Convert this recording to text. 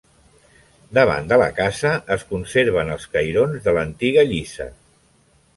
Davant de la casa es conserven els cairons de l'antiga lliça.